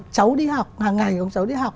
cháu đi học hàng ngày cháu đi học